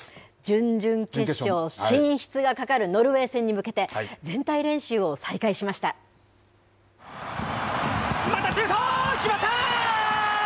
準々決勝進出がかかるノルウェー戦に向けて、全体練習を再開またシュート、決まった！